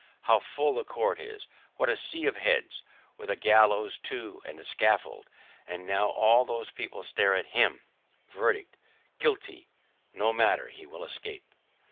How full the court is what a sea of heads with a gallows, too, and a scaffold and how all those people stare at HIM! Verdict, 'Guilty.' No matter; he will escape.